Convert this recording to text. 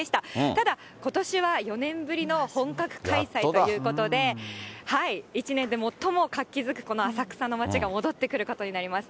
ただ、ことしは４年ぶりの本格開催ということで、１年で最も活気づく浅草の街が戻ってくることになります。